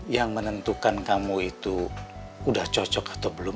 yang menentukan kamu itu udah cocok atau belum